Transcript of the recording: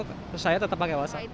terus saya tetap pakai wawasan